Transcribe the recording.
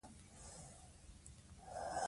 هغه کار د اضطراب په کمولو کې مرسته کوي.